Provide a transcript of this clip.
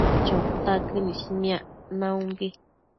Chotaquën ismiac niombi